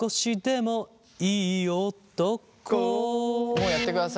もうやってください